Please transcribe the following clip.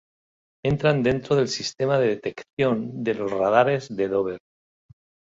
Entran dentro del sistema de detección de los radares de Dover.